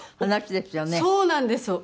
そうなんですよ。